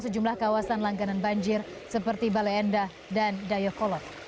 di kawasan langganan banjir seperti baleenda dan dayokolot